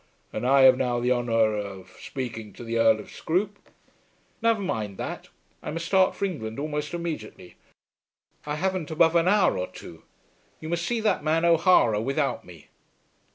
"And I have now the honour of speaking to the Earl of Scroope." "Never mind that. I must start for England almost immediately. I haven't above an hour or two. You must see that man, O'Hara, without me."